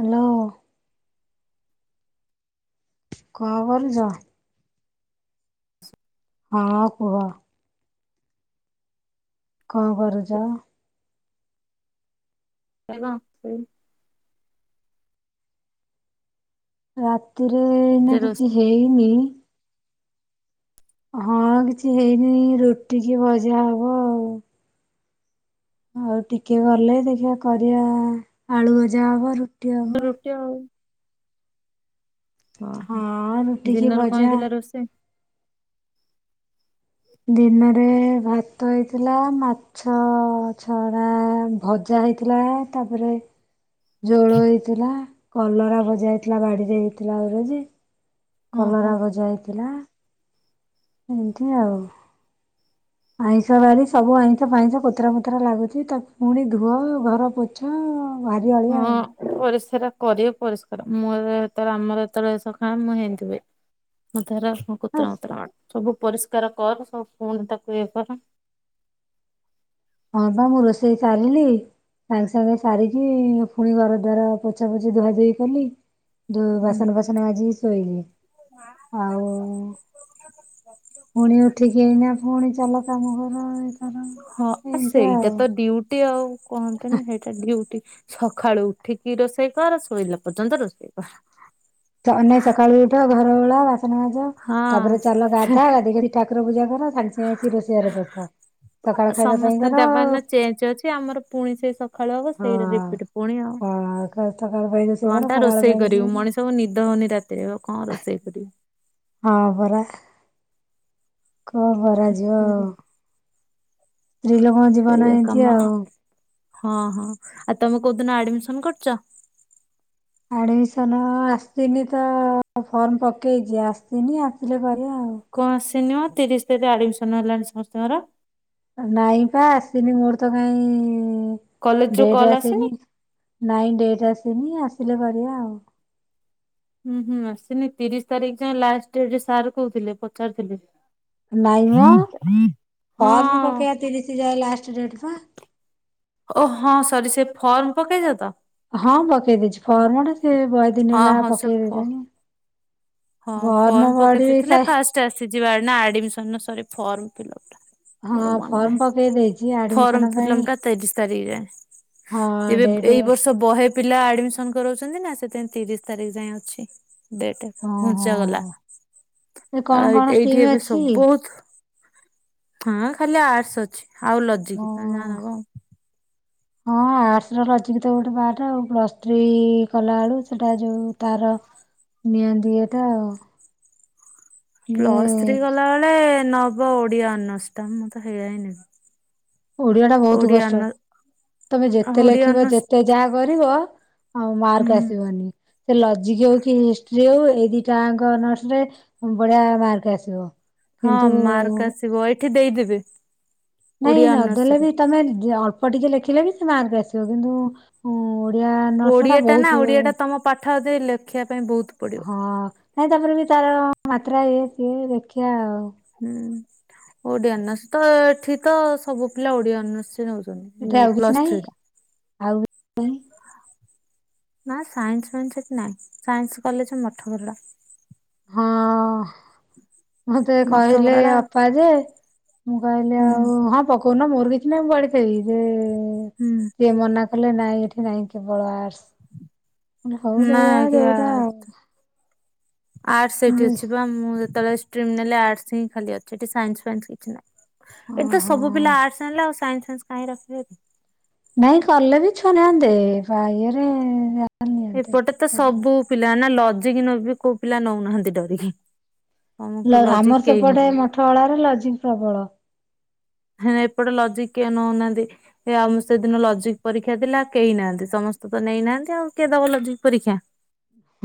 Hello. କଣ କରୁଚ? ହଁ କୁହ। କଣ କରୁଚ? [unintelligible] ରାତିରେ ଏ ନା ସେଇ କିଛି ହେଇନି। ହଁ କିଛି ହେଇନି ରୁଟି କିଏ ଭଜା ହବ ଆଉ। ଆଉ ଟିକେ ଗଲେ ଦେଖିବା କରିବା ଆଳୁ ଭଜା ହବ ଆଉ। ତ ରୁଟି ଆଉ। ଓହୋ ହଁ ରୁଟି କି ଦିନରେ କଣ ଭଜା। ହେଇଥିଲା ରୋଷେଇ? ଦିନରେ ଭାତ ହେଇଥିଲା ମା ଛ ଛଣା ଭଜା ହେଇଥିଲା ତାପରେ ଜୋଳ ହେଇଥିଲା କଲରା ଭଜା ହେଇଥିଲା ବାଡିରେ ହେଇଥିଲା ଓର ଯେ ହଁ କଲରା ହଁ ଭଜା ହେଇଥିଲା ଏମିତି ଆଉ। ଆଇଁଷ ବାରି ସବୁ ଆଇଁଷ ଫାଇଁଷ କୋତୋରା ମୋତରା ଲାଗୁଚି ତାକୁ ପୁଣି ଧୁଅ ଘର ପୋଛ ଭାରି ଅଳିଆ ହଁ ଆଉ ପରିଷ୍କାର କରିବେ ପରିଷ୍କାର ମୋର ଏତେବେଳେ ଆମର ଯେତେବେଳେ ଆଇଁଷ ଖାନ୍ତି ମୁଁ ହେନ୍ତି ହୁଏ। ମତେ ହେରା କୋତ୍ରା ହସ୍ ମୋତ୍ରା ମାଡ଼େ ସବୁ ପରିଷ୍କାର କର ସବୁ ପୁଣି ତାକୁ ଇଏ କର। ହଁ ବା ମୁଁ ରୋଷେଇ ସାରିଲି ସାଙ୍ଗେ ସାଙ୍ଗେ ସାରିକି ପୁଣି ଘର ଦ୍ୱାର ପୋଛା ପୋଛିି ଧୁଆ ଧୋଇ କଲି ଦୁ ବାସନ ବାସନ ମାଜିକି ଶୋଇଲି ଆଉ ପୁଣି ଉଠିକି ଏଇନା ପୁଣି ଚାଲ କାମ କର ଇ କର ହଁ ଆ ଏମିତି ସେଇଟା ଆଉ ତ ଡିୟୁଟି ଆଉ କହନ୍ତିନି ହେଇଟା ଡୁୟୁଟି। ସକାଳୁ ଉଠିକି ରୋଷେଇ କର ଶୋଇଲା ପର୍ଯ୍ୟନ୍ତ ରୋଷେଇ କର। ତ ଅନେ ସକାଳୁ ଉଠ ଘର ଓଳା ବାସନ ମାଜ ତାପରେ ହଁ। ଚାଲ ଗାଧା ଗାଧାକରି ଠାକୁର ପୂଜା କର ସାଙ୍ଗ ସାଙ୍ଗେ ଆସିକି ରୋଷେଇ ଘରେ ପଶ ସକାଳ ଖାଇବା ପାଇଁ ସମସ୍ତେ କର ଦେବ ନା ଚେଞ୍ଜ ଅଛି ଆମର ପୁଣି ସେଇ ସକାଳୁ ହବ ସେଇରା ହଁ ରିପିଟ୍ ପୁଣି ଆଉ ହଁ ସକାଳ ପାଇଁ ରୋଷେଇ କଣ କର ଟା ଖରାବେଳ ପାଇଁ ରୋଷେଇ କରିବୁ କର ମଣିଷକୁ ନିଦ ହଉନି ରାତି ରେ କଣ ରୋଷେଇ କରିବୁ। ହଁ ପରା। କଣ କରା ଯିବ ଆଉ। ସ୍ତ୍ରୀ ଲୋକଙ୍କ ଜୀବନ ସେଇଆ ଏମିତି କାମ। ଆଉ। ହଁ ହଁ ଆଉ ତମେ କୋଉଦିନ ଆଡମିସନ କରୁଛ? ଆଡ଼ମିସନ ଆସିନି ତ ଫର୍ମ ପକେଇଛି ଆସିନି ଆସିଲେ କରିବା ଆଉ। କଣ ଆସିନି ମ ତିରିଶ ତାରିଖ ଆଡମିସନ ହେଲାଣି ସମସ୍ତଙ୍କର। ନାଇଁ ପା ଆସିନି ମୋର ତ କଲେଜ କାହିଁ ରୁ ଡେଟ କଲ୍ ଆସିନି। ନାଇଁ ଡେଟ ଆସିନି ଆସିଲେ କରିବା ଆଉ। ହୁଁ ହୁଁ ଆସିନି ତିରିଶ ତାରିଖ ଯାଏଁ ଲାଷ୍ଟ ଡେଟ ସାର କହୁଥିଲେ ପଚାରିଥିଲି। ନାଇଁ ମ ଫର୍ମ ହଁ ପକେଇବା ତିରିଶ ଯାଏ ଲାଷ୍ଟ ଡେଟ ପା। ଓ ହଁ ସରି ସେ ଫର୍ମ ପକେଇଛ ତ। ହଁ ପକେଇ ଦେଇଛି ଫର୍ମ ଟା ସେ ବୟ ଦିନ ହଁ ହେଲା ହଁ ସେ ଫ ପକେଇଲେଣି। ହଁ ଫର୍ମ ପକେଇ ଦେଇଥିଲେ ଫାଷ୍ଟ ଆସିଯିବା ନା ଆଡିମିଶନ ର ସରି ଫର୍ମ ଫିଲ ଅପ ଟା। ହଁ ମୋର ମନ ଫର୍ମ ପକେଇ ନାହିଁ ଦେଇଛି ଆଡମିସନ ଫର୍ମ ପାଇଁ ଫିଲମ ଟା ତିରିଶ ତାରିଖ ଯାଏଁ। ହଁ ଏବେ ଡେ ଏଇ ବର୍ଷ ବହେ ପିଲା ଆଡମିସନ କରଉଛନ୍ତି ନା ସେଥିପାଇଁ ତିରିଶ ତାରିଖ ଯାଏଁ ଅଛି ଡେଟ। ଓହୋ ଘୁଞ୍ଚାଗଲା ଏ କଣ ଆଉ ଏଇ କଣ ଏଇଠି ଷ୍ଟ୍ରିମ୍ ଏବେ ଅଛି ସବୁ ବହୁତ। ହଁ ଖାଲି ଆର୍ଟ୍ସ ଅଛି ଆଉ ଓ ଲଜିକ ତମେ ଯାହା ନବ। ହଁ ହଁ ଆର୍ଟ୍ସ ର ଲଜକି ତ ଗୋଟେ ପାଠ ଆଉ ପ୍ଲସ ଥ୍ରୀ କଲା ବେଳୁ ସେଟା ଯୋଉ ତାର। ନିଅନ୍ତିି ଏଟା ଆଉ। ଯେ ପ୍ଲସ୍ ଥ୍ରୀ କଲା ବେଳେ ନବ ଓଡିଆ ଅନର୍ଷ୍ ଟା ମୁଁ ତ ହେଇଆ ହିଁ ନେ ଓଡିଆ ଟା ବହୁତ କଷ୍ଟ ତମେ ଯେତେ ଓଡିଆ ଲେଖିବ ଅନର୍ସ ଯେତ ତେ ଯାହା କରିବ ଆଉ ହୁଁ ମାର୍କ ଆସିବନି ସେ ଲଜିକ ହଉ କି ହିଷ୍ଟ୍ରି ହଉ ଏଇ ଦି ଯାଙ୍କ ଅନର୍ର୍ସରେ ଉଁ ବଢିଆ ମାର୍କ ଆସିବ। ହଁ କିନ୍ତୁ ମାର୍କ ଆସିବ ଏଠି ଦେଇଦେବେ। ନାଇଁ ଓଡିଆ ନ ଦେଲେ ଅନର୍ସରେ। ବି ତମେ ଅଳ୍ପ ଟିକେ ଲେଖିଲେ ବି ସେ ମାର୍କ ଆସିବ କିନ୍ତୁ ଉଁ ଓଡିଆ ଅନର୍ସ ଟା ଓଡିଆ ନା ବହୁତ ଓଡିଆ ଟା ତମ ପାଠ ରେ ଲେଖିବା ପାଇଁ ବହୁତ ପଡିବ ହଁ। ନାଇଁ ତାପରେ ବି ତାର ମାତ୍ରା ଇଏ ସିଏ ଦେଖିବା ଆଉ। ହୁଁ ଓଡିଆ ଅନର୍ସ ତ ଏଠି ତ ସବୁ ପିଲା ଓଡିଆ ଅନର୍ସରେ ନଉ ଯଉ ଏଠି ଯଉ ଆଉ କିଛି ପ୍ଲସ ନାହିଁ ଥ୍ରୀ ଟା। ଆଉ କିଛି ନାହିଁ। ନା ସାଇନ୍ସ ମାନେ ସେଠି ନାହିଁ ସାଇନ୍ସ କଲେଜ ମଠ ବରଡା। ହଁ। ମତେ କହିଲେ ମଠଗରଡା ଅପା ଯେ ମୁଁ କହିଲି ହୁଁ ଆଉ ହଁ ପ କଉନ ମୋର କିଛି ନା ମୁଁ [unintelligible] ଯେ। ହୁଁ। ସିଏ ମନା କଲେ ନାଇଁ ଏଠି ନାଇଁ କେବଳ ଆର୍ଟସ। [unintelligible] ହଉ ନା ସେୟା ଆଜ୍ଞା ଯଉଟା ଆର୍ଟସ ସେଠି ଅଛି ପା ମୁଁ ଯେତେବେଳେ ଷ୍ଟିମ ନେଲେ ଆର୍ଟସ ହିଁ ଖାଲି ଅଛି ଏଠି ସାଇନ୍ସ ଫାଇନ୍ସ କିଛି ନାହିଁ। ଏଠି ତ ସବୁ ପିଲା ଓହୋ ଆର୍ଟସ ନେଲେ ଆଉ ସାଇନ୍ସ ଫାଇନ୍ସ କାହିଁ ରଖିବେ ଏଠି। ନାଇଁ କଲେ ବି ଛୁଆ ନାହାନ୍ତି ପା ଇଏ ରେ ଆ ଏପଟେ ତ ସବୁ ପିଲା ନା ଲଜିକ ନବ କୋଉ ପିଲା ନଉନାହାନ୍ତି ଡରିକି। ହଁ ମ କୁ ଲଜିକ କେହି [unintelligible] ଫଳାର ଲଜିକ ପ୍ରବଳ। ହେଁ ଏପଟେ ଲଜିିକ କିଏ ନଉନାହାନ୍ତି। ଏ ଆଉ ମୁଁ ସେଦିନ ଲଜିକ ପରୀକ୍ଷା ଥିଲା କେହି ନାହାନ୍ତି ସମସ୍ତେ ତ ନେଇନାହାନ୍ତି ଆଉ କିଏ ଦବ ଲଜିକ ପରୀକ୍ଷା।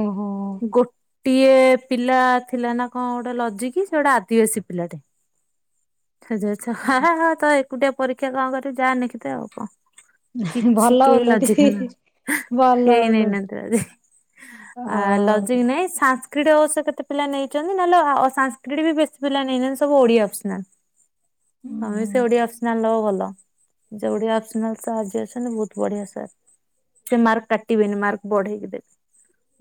ଓହୋ। ଗୋଟ ଟିଏ ପିଲା ଥିଲା ନା କଣ ଗୋଟେ ଲଜିକି ସେ ଗୋଟେ ଆଦିବାସୀ ପିଲାଟେ। ସେ ଯାଇଚ ହା ହା ତ ଏକୁଟିଆ ପରୀକ୍ଷା କଣ କରିବ ଯାହା ନିଖି ତ ଆଉ କଣ? କିଛି ଭଲ କେହି ଲଜିକ ଓଲଟି ନା ଭଲ କେହି ଓଲଟି ନାଇନାହାନ୍ତି ଆଜି। ଆ ଲଜିକ ହଉ। ନାଇଁ ସା କ୍ରୀଡ ସେ କେତେ ପିଲା ନେଇଛନ୍ତି ନହେଲେ ସାଂସ୍କିଡି ବି ବେଶୀ ପିଲା ନେଇନାହାନ୍ତି ସବୁ ଓଡିଆ ଅପସନାଲ। ତମେ ସେଆ ଅପସନାଲ ନବ ଭଲ ଯୋଉ ଓଡ଼ିଆ ଅପସନାଲ ସାରେ ଯିଏ ଅଛନ୍ତି ବୋହୁତ ବଢିଆ ସାର୍। ସେ ମାର୍କ କାଟିବେନି ମାର୍କ ବଢେଇକି ଦେବେ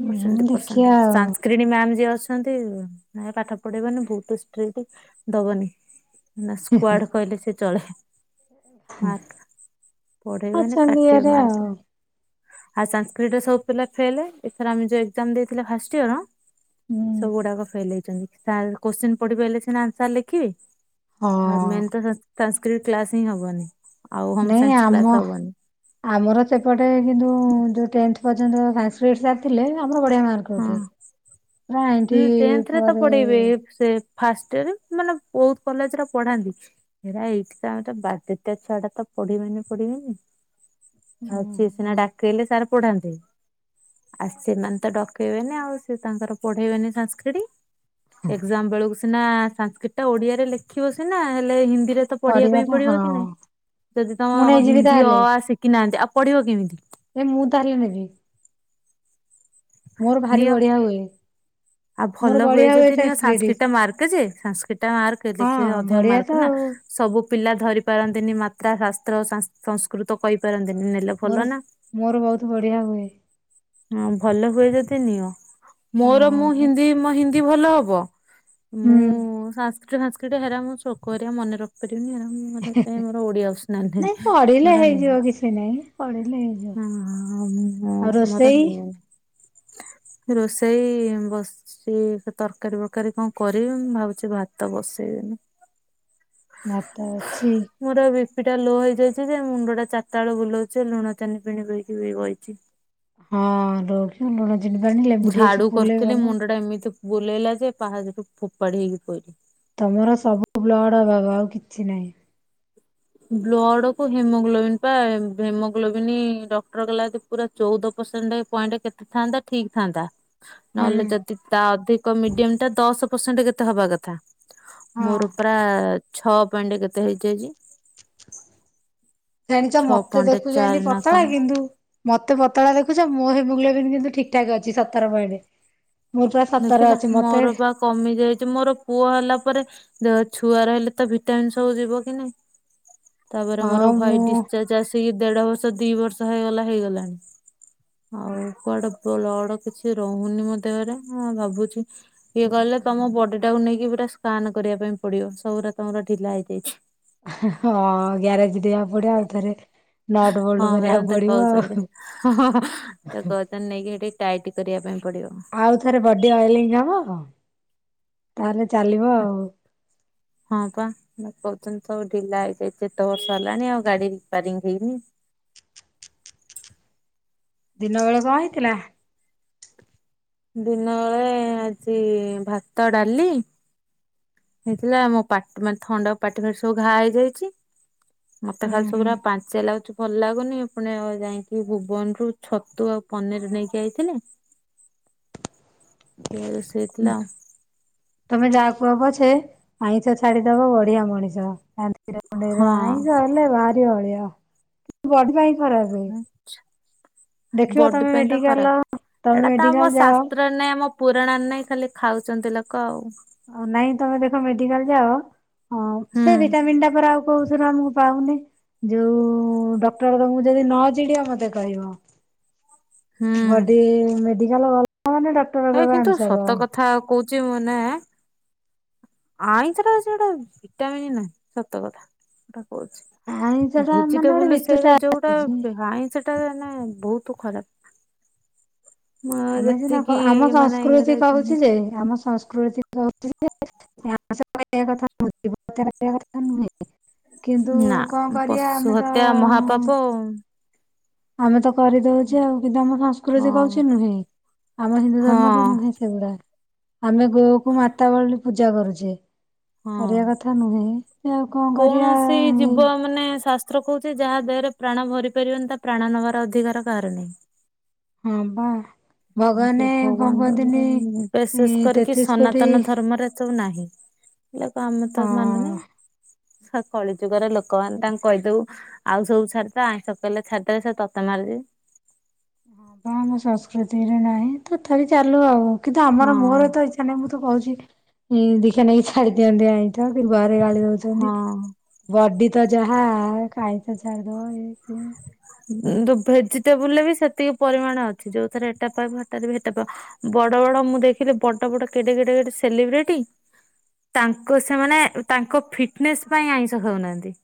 ହୁଁ ପରସେଣ୍ଟ ଦେଖିବା ପରସେଣ୍ଟ ଆଉ ସାଂସ୍କ୍ରିଟ ମ୍ୟାମ୍ ଯିଏ ଅଛନ୍ତି ପାଠ ପଢେଇବନି ବୋହୁତ ଷ୍ଟୀଟି ଦବନି। କୁଆଡେ କହିଲେ ସେ ଚଳେ। ମାର୍କ ବଢେବେନି ଅଛନ୍ତି କଟିିବ ଇଆରେ ମାର୍କ। ଆଉ ଆଉ ସାଂସ୍କ୍ରିଟ ରେ ସବୁ ପିଲା ଫେଲ୍ ଏଥର ଆମେ ଯୋଉ ଏକ୍ଜାମ ଦେଇଥିଲା ଫାଷ୍ଟ ଇୟର ହୁଁ। ସବୁ ଗୁଡାକ ଫେଲ ହେଇଛନ୍ତି ସାର୍ କୋଶ୍ଚିନ୍ ପଢିପାରିଲେ ସିନା ଆନ୍ସର ଲେଖିବେ। ଆଉ ହଁ ମେନ୍ ତ ସଂସ୍କୃତ କ୍ଲାସ ହିଁ ହବନି। ଆଉ ହୋମ ନାଇଁ ସାଇନ୍ସ କ୍ଲାସ ଆମ ହବନି ଆମର ସେପଟେ କିନ୍ତୁ ଯୋଉ ଟେନ୍ଥ ପର୍ଯ୍ୟନ୍ତ ସଂସ୍କୃତ ସାର୍ ଥିଲେ ଆମର ବଢିଆ ମାର୍କ କୋଉଠି? ହୁଁ ଟେନ୍ଥରେ ତ ପଢେଇବେ ଏ ଫାଷ୍ଟ ଇଅର୍ ମାନେ ବହୁତ କଲେଜରେ ପଢାନ୍ତି। ହେଇରା ଏଇଠି ତ ଆମେ ତ ବାଦଟା ଛୁଆ ଟା ତ ପଢିବନି ପଢିବେନି। ଆଉଛି ସିନା ଡାକଇଲେ ସାର୍ ପଢାନ୍ତି ଆ ସେମାନେ ତ ଡକେଇବେନି ଆଉ ସେ ତାଙ୍କର ପଢେଇବେନି ସାନସ୍କ୍ରିଟ ଏକ୍ଜାମ ବେଳକୁ ସେ ସିନା ସାନସ୍କ୍ରିଟ ଟା ଓଡିଆରେ ଲେଖିବ ସିନା ହେଲେ ହିନ୍ଦୀରେ ତ ପଢିବା ପାଇଁ ପଢିବାଟା ହଁ ପଡିବ କି ନାଇଁ। ଯଦି ତମ ମୁଁ ନେଇଯିବି ହିନ୍ଦୀ ଅ ତାହେଲେ। ଆ ଶିଖିନାହାନ୍ତି ଆଉ ପଢିବ କେମିତି? ଏ ମୁଁ ତାହଲେ ନେବି ମୋର ଭାରି ନିଅ ବଢିଆ ହୁଏ। ଆଉ ମୋର ଭଲ ହୁଏ ବଢିଆ ଯଦି ନିଅ ସାଂସ୍କ୍ରିଟ ସାନସ୍କ୍ରିଟ୍ ଟା ମାର୍କ ଯେ ସାନସ୍କ୍ରିଟ୍ ଟା ମାର୍କ ହଁ ଲେଖିଲେ ଅଧିକ ବଢିଆ ତ ମାର୍କ ନା। ଆଉ ସବୁ ପିଲା ଧରି ପାରନ୍ତିନି ମାତ୍ରା ଶାସ୍ତ୍ର ସା ସଂସ୍କୃତ କହିପାରନ୍ତିନି। ନେଲେ ଭଲ ମୋର ନା। ମୋର ବୋହୁତ ବଢିଆ ହୁଏ। ହଁ ଭଲ ହୁଏ ଯଦି ନିଅ ମୋର ମୁଁ ହଁ ହିନ୍ଦୀ ମୋ ହିନ୍ଦୀ ଭଲ ହବ। ମୁଁ ହୁଁ ସାନସ୍କ୍ରିଟ୍ ସାନସ୍କ୍ରିଟ୍ ହେରା ମୁଁ ଶ୍ଳୋକ ହେରିକା ମନେ ରଖ ସେଠିହିଁ ପାଇଁ ମୋର ଓଡିଆ ଅପ୍ସାନଲ ନାଇଁ ପଢିଲେ ମରନା ହେଇଯିବ ନାହିଁ କିଛି ନାଇଁ ପଢିଲେ ହେଇଯିବ ଅ ହଁ ମୁଁ ଆଉ ମୋର ରୋଷେଇ ନିଉ ରୋଷେଇ ବସ ସିଏ ତରକାରୀ ବରକାରୀ କଣ କରିବି ମୁଁ ଭାବୁଚି ଭାତ ବସେଇବିନି। ଭାତ ଅଛି। ମୋର ବିପିଟା ଲୋ ହେଇଯାଇଚି ଯେ ମୁଣ୍ଡ ଟା ଚାର୍ଟା ବେଳୁ ବୁଲଉଚି ଲୁଣ ଚାନି ପାଣି ପିକି ବଇଚି। ହଁ ର ଲୁଣ ଚିନି ପାଣି ଲେମ୍ବୁ ଟିକେ ଚିପୁଡିଲେ ଭଲ। ହେଟା ଏମିତି ବୁଲେଇଲା ଯେ ପାହାଚରୁୁ ଫୋପାଡି ହେଇକି ପଇଲି। ତମର ସବୁ ବ୍ଲଡ଼ ଅଭାବ ଆଉ କିଛି ନାହିଁ। ବ୍ଲଡ କୁ ହିମୋଗ୍ଲୋବିନ୍ ପା ହେମୋଗ୍ଲୋବିନି ଡକ୍ଟର କଲା ଯଦି ପୁରା ଚଉଦ ପରସେଣ୍ଟ ପଏଣ୍ଟ କେତେ ଥାନ୍ତା ଠିକ ଥାନ୍ତା। ହୁଁ ନହେଲେ ଯଦି ତା ଅଧିକ ମିଡିୟମ ଟା ଦଶ ପରସେଣ୍ଟ କେତେ ହବା କଥା। ହଁ ମୋର ପରା ଛଅ ପଏଣ୍ଟ କେତେ ହେଇଯାଇଚି। ଜାଣିଚ ଛଅ ମତେ ପଏଣ୍ଟ ଦେଖୁଚ ଏମତି ଚାରି ନା କଣ। ପତଳା କିନ୍ତୁ ମତେ ପତଳା ଦେଖୁଛ ମୋ ହେମୋଗ୍ଲୋବିନ୍ କିନ୍ତୁ ଠିକ ଠାକ ଅଛି ସତର ପଏଣ୍ଟ। ମୋର ପା ସତର ଦେଖିଲ ଅଛି ମତେ ମୋର ବା କମି ଯାଇଛି ମୋର ପୁଅ ହେଲା ପରେ ଛୁଆ ରହିଲେ ତ ଭିଟାମିିନ ସବୁ ଯିବ କି ନାଇ। ତାପରେ ମୋର ହଁ ମୁଁ ହ୍ୱାଇଟ ଡିସଚାର୍ଜ ଆସିକି ଦେଢ ବର୍ଷ ଦି ବର୍ଷ ହେଇଗଲା ହେଇଗଲାଣି। ଆଉ କୁଆଡେ ବ୍ଲଡ଼ କିଛି ରହୁନି ମୋ ଦେହରେ ହଁ ଭାବୁଛି ଇଏ କହିଲେ ତମ ବଡି ଟାକୁ ନେଇକି ପୁରା ସ୍କାନ କରିବା ପାଇଁ ପଡିବ ସବୁୁଟା ତମର ଢିଲା ହେଇଯାଇଛି। ହଁ ଗ୍ୟାରେଜ ଜିବାକୁ ପଡିବ ଆଉଥରେ ହଁ ପରା ମତେ କହୁଛନ୍ତି ତା ନେଇକି ଟିକେ ଟାଇଟ୍ କରିବା ପାଇଁ ପଡିବ। ଆଉ ଥରେ ବଡି ଅଏଲିଂ ହବ ତାହେଲେ ଚାଲିବ ଆଉ ହଁ ବା କହୁଛନ୍ତି ସବୁ ଢିଲା ହେଇଯାଇଛି ଏତେ ବର୍ଷ ହେଲାଣି ଆଉ ଗାଡି ରିପାରିଙ୍ଗ ହେଇନି। ଦିନ ବେଳେ କଣ ହେଇଥିଲା? ଦିନ ବେଳେ ଆଜି ଭାତ ଡାଲି ହେଇଥିଲା ମୋ ପାଟି ମାନେ ଥଣ୍ଡା ପାଟି ଫଟି ସବୁ ଘା ହେଇଯାଇଛି। ମତେ ହୁଁ ଖାଲି ସବ ପୁରା ହୁଁ ପାଣିଚିଆ ଲାଗୁଛି ଭଲ ଲାଗୁନି ପୁଣି ଯାଇକି ଭୁବନରୁୁ ଛତୁ ଆଉ ପନିର ନେଇକି ଆଇଥିଲେ,। ସେ ରୋଷେଇ ହେଇଥିଲା। ତମେ ଯାହା କୁହ ପଛେ ଆଇଁଷ ଛାଡି଼ଦବ ବଢ଼ିଆ ମଣିଷ ଥାନ୍ତି। ଦି ଟା ଣ୍ଡେଇ ର ଆଉ ଆଇଁଷ ହେଲେ ଭାରି ଅଳିଅ କିନ୍ତୁ ବଡି ପାଇଁ ଖରାପେ। ହଁ। ଦେଖିବ ବଡି ତମେ ପାଇଁ ତ ଖରାପ। ମେଡିକାଲ ତମେ ମେଡିକାଲ୍ ଯାଅ। ପୁରଣା ନାଇଁ ଖାଲି ଖାଉଛନ୍ତି ଲୋକ ଆଉ, ହଁ ନାଇଁ ତମେ ଦେଖ ମେଡିକାଲ୍ ଯାଅ ହଁ ହୁଁ। ସେ ଭିଟାମିନ୍ ଟା ପୁରା ଆଉ କହୁସି ଆମକୁ ପାଉନି। ଯୋଉ ଡକ୍ଟର ତାଙ୍କୁ ଯଦି ନ ଚିଡିବ ମତେ କହିବ,? ହୁଁ ବଡି ମେଡିିକାଲ୍ ଗଲା ମାନେ ଡକ୍ ଏ କିନ୍ତୁ ସତ କଥା କହୁଛି ମୁଁ ମାନେ, ଆଇଁଷ ଟା ସେ ଗୋଟେ ଭିଟାମନ୍ ନାହିଁ ସତ କଥା ସେଟା କହୁଛି, ଆଇଁଷ ଟା ମାନେ ଗୋଟେ ଭେଜିଟେବୁଲ ବିତୁଟା ସେଟା ଯୋଉଟା ଆସୁଛି। ହୁଁ ହାଇ ସେଟା ମାନେ ବହୁତ ଖରାପ୍। ଆମେ ଯେନା ଆମ ମାନେ ସଂସ୍କୃତି ଇଏରେ କହୁଛି ଯେ ଜାଣିଲି ଆମ ସଂସ୍କୃତି, [inaudible] କିନ୍ତୁ ନା କଣ କରିବା ପଶୁ ଆମେ ତ? ହତ୍ୟା ମହାପାପ ଆଉ। ଆମେ ତ କରିଦଉଛେ ଆଉ କିନ୍ତୁ ଆମ ସଂସ୍କୃତି ହଁ କହୁଛି ନୁହେଁ ଆମ ହିନ୍ଦୁ ହଁ ଧର୍ମରେ ନୁହେଁ। ସେଗୁଡା ଆମେ ଗୋଉ କ ମାତା ବଳି ପୁଜା କରୁଛେ। ହଁ। କରିବା କଥା ନୁହେଁ ସେ ଆଉ କଣ କରିବା ଏଇ,, ଥ୍ରୋ କହୁଛି ଯାହା ଦେହରେ ପ୍ରାଣ ଭରି ପାରିବନି ତା ପ୍ରାଣ ନେବାର ଅଧିକାର କାହାର ନାହିଁ। ହଁ ବା। ଯେ ଭଗବାନ କଣ ଭଗବାନ କୁହନ୍ତିନି [unintelligible] ବିଶେଷ କରିକି ତେତିଶ କୋଟି ସନାତନ ଧର୍ମରେ, ସବୁ ନାହିଁ ଲୋକ ଆମେ ତ ହଁ ମାନୁ ହଁ ନାହିଁ କଳି ଯୁଗର ଲୋକ କ ନି ତାଙ୍କୁ କହିଦେବୁ ଆଉ ସବୁ ଛାଡ଼୍ ତା ଆଇଁଷ କହିଲେ ଛାଡିଦେଲେ ସେ ତତେ ମାରିିବି। ହଁ ବା ଆମ ସଂସ୍କୃତିରେ ନାହିଁ ତଥାପି ଚାଲୁ ଆଉ କିନ୍ତୁ ଆମର ହଁ। ମୋର ତ ଇଚ୍ଛା ନାହିଁ ମୁଁ ତ, ତୁ କହୁଛି ଇ ଦେଖିବା ନେଇକି ଛାଡି ଦିଅନ୍ତି ଆଇଁଠ କି ଘରେ ଗାଳି ଦଉଛନ୍ତି, ହଁ ବଡି ତ ଯାହା କାହିଁ ତ ଛାଡ଼ିଦବନି,। ଦୁ ଦୁ ଭେଜିଟେବୁଲ ରେ ବି ସେତିକି ପରିମାଣ ଅଛି ଯୋଉ ଥିରେ ଏଟା ପା [unintelligible] ବଡ଼-ବଡ଼ ମୁଁ ଦେଖିଲି ବଡ଼-ବଡ଼ କେଡେ-କେଡେ- କେଡେ ସେଲିବ୍ରିଟି, ତାଙ୍କ ସେମାନେ ଉଁ ତାଙ୍କୁ ଫିଟନେସ୍ ପାଇଁ ଆଇଁଷ ଖଉନାହାନ୍ତି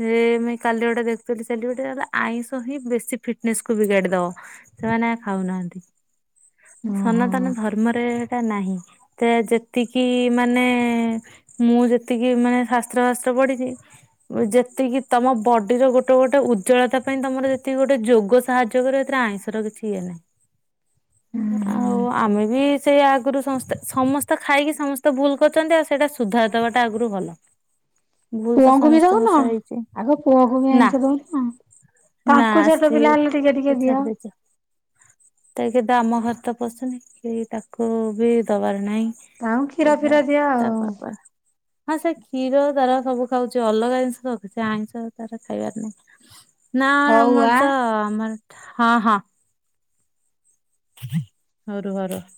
ହେ ମୁଇଁ କାଲି ଗୋଟେ ଦେଖ୍ [unintelligible] ଆଇଁଷ ହିଁ ବେଶି ଫିଟ୍ ନେସ୍ କୁୁ ବିଗାଡି଼ ଦବ ସେମାନେ ଆଉ ଖାଉନାହାନ୍ତି ଓହୋ ସନାତନ ଧର୍ମରେ ଏଟା ନାହିଁ। ତେ ଯେତିକି ମାନେ ମୁଁ ଯେତିକି ମାନେ ଶାସ୍ତ୍ର ବାସ୍ତ୍ର ପଡ଼ିଚି ଯେତିକି ତମ ବଡିର ଗୋଟ୍ ତୋ ଗୋଟେ ଉଜ୍ଜଳତା ପାଇଁ ତମର ଯେତିକି ଗୋଟେ ଯୋଗ ସାହାଯ୍ୟ କରେ ଏଥିରେ ଆଇଁଷ ର କିଛି ଇଏ ନାହିଁ। ହୁଁ ମୁଁ ଆଉ ଗୋ ହୁଁ ଆମେବି ସେ ଆଗରୁ ସମସ୍ତେ ସମସ୍ତେ ଖାଇକି ସମସ୍ତେ ଭୁଲ କରୁଚନ୍ତି ଆଉ ସେଇଟା ସୁଧାର ଦେବାଟା ଆଗରୁ ଭଲ। ଭୁଲ ତ ପୁଅଙ୍କୁବି ସମସ୍ତଙ୍କ ଜଗୁନ ସହ ହେଇଛି ଆଗ ପୁଅକୁବି ନା ଆଇଁଷ ଦଉନ ନା ତାଙ୍କୁ ଛୋଟ ପିଲା ସିଏ ହେଲେ ଟିକେ-ଟିକେ ଦିଅ। ତେ ଗିତା ଆମ ଘରେତ ପଶୁନିକି ତାକୁବି ଦବାର ନାହିଁ। ତାଉଁ କ୍ଷୀର ଫିର ଦିଅ ତା ଆଉ। ବାପା ହଁ ସେ କ୍ଷୀର ତାର ସବୁ ଖାଉଚି ଅଲଗା ଜିନିଷ ରଖୁଚି ଆଇଁଷ ତାର ଖାଇବାର ନାହିଁ। ନା ହଉ ଆ ଆମରତ ଆମର ହଁ-ହଁ। ହଉ ରୁହ ରୁହ।